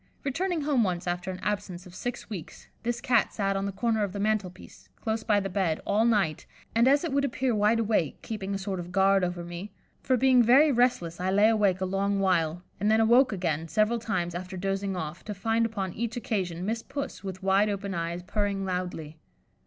Returning home once after an absence of six weeks, this Cat sat on the corner of the mantel piece, close by the bed, all night, and as it would appear wide awake, keeping a sort of guard over me, for being very restless I lay awake a long while, and then awoke again, several times, after dozing off, to find upon each occasion Miss Puss, with wide open eyes, purring loudly.